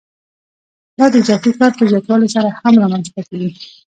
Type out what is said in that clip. دا د اضافي کار په زیاتوالي سره هم رامنځته کېږي